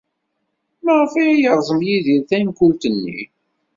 Maɣef ay yerẓem Yidir tankult-nni?